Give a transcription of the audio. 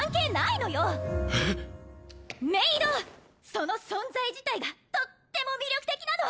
その存在自体がとっても魅力的なの！